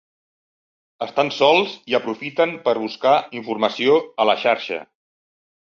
Estan sols i aprofiten per buscar informació a la xarxa.